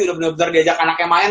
udah bener bener diajak anak yang main